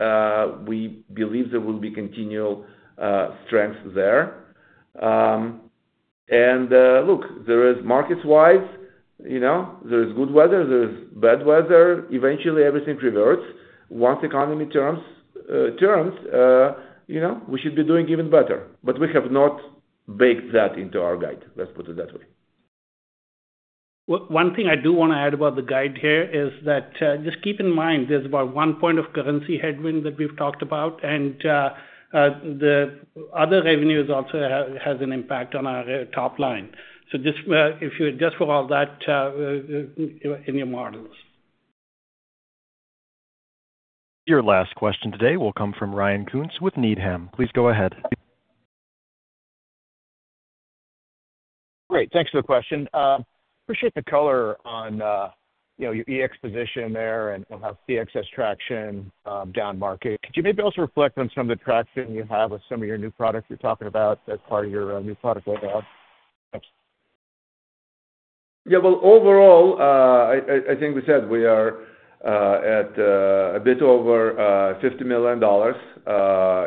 we believe there will be continual strength there, and look, there is market-wise, there is good weather, there is bad weather. Eventually, everything reverts. Once the economy turns, we should be doing even better. But we have not baked that into our guide. Let's put it that way. One thing I do want to add about the guide here is that just keep in mind there's about one point of currency headwind that we've talked about, and the other revenues also have an impact on our top line, so just for all that in your models. Your last question today will come from Ryan Koontz with Needham. Please go ahead. Great. Thanks for the question. Appreciate the color on your exposition there and how CX has traction down market. Could you maybe also reflect on some of the traction you have with some of your new products you're talking about as part of your new product layout? Thanks. Yeah, well, overall, I think we said we are at a bit over $50 million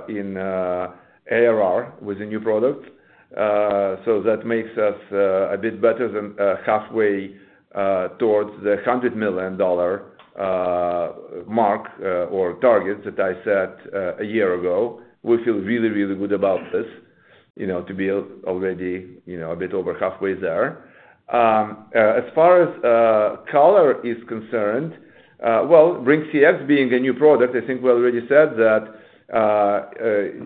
in ARR with the new product. So that makes us a bit better than halfway towards the $100 million mark or target that I set a year ago. We feel really, really good about this to be already a bit over halfway there. As far as color is concerned, well, RingCX being a new product, I think we already said that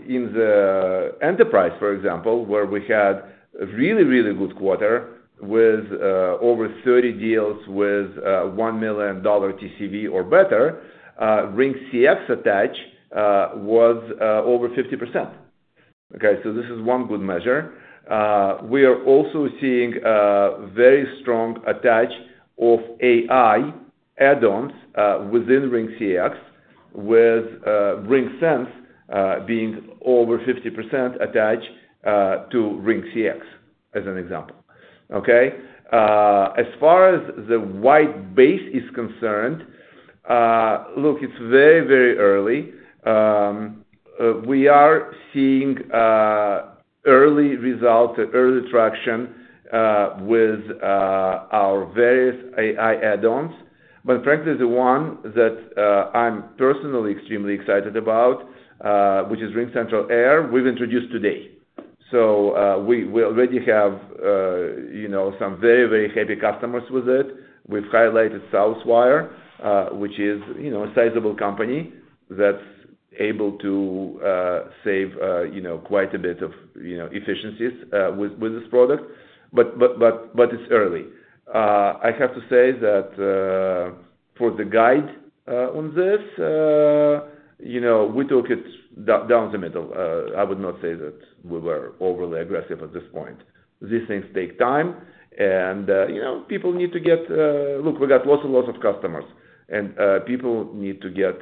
in the enterprise, for example, where we had a really, really good quarter with over 30 deals with $1 million TCV or better, RingCX attach was over 50%. Okay. So this is one good measure. We are also seeing a very strong attach of AI add-ons within RingCX with RingSense being over 50% attached to RingCX as an example. Okay. As far as the wide base is concerned, look, it's very, very early. We are seeing early results, early traction with our various AI add-ons. But frankly, the one that I'm personally extremely excited about, which is RingCentral AIR, we've introduced today. So we already have some very, very happy customers with it. We've highlighted Southwire, which is a sizable company that's able to save quite a bit of efficiencies with this product. But it's early. I have to say that for the guide on this, we took it down the middle. I would not say that we were overly aggressive at this point. These things take time. People need to get, look, we got lots and lots of customers. People need to get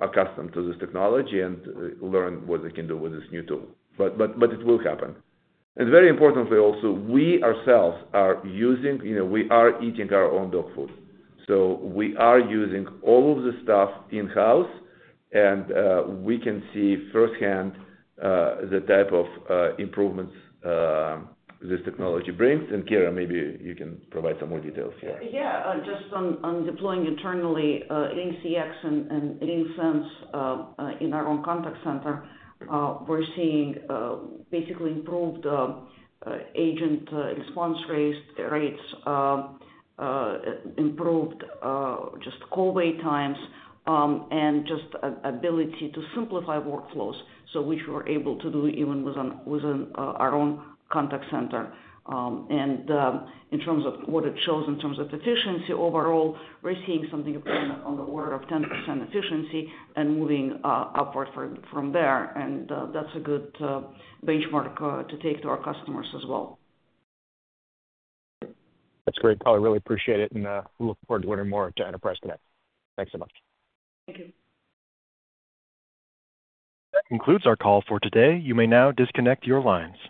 accustomed to this technology and learn what they can do with this new tool. But it will happen. Very importantly also, we ourselves are using. We are eating our own dog food. We are using all of the stuff in-house. We can see firsthand the type of improvements this technology brings. Kira, maybe you can provide some more details here. Yeah. Just on deploying internally, RingCX and RingSense in our own contact center, we're seeing basically improved agent response rates, improved just call wait times, and just ability to simplify workflows, which we were able to do even within our own contact center, and in terms of what it shows in terms of efficiency overall, we're seeing something on the order of 10% efficiency and moving upward from there, and that's a good benchmark to take to our customers as well. That's great, Kira. I really appreciate it. And we look forward to learning more about enterprise today. Thanks so much. Thank you. That concludes our call for today. You may now disconnect your lines.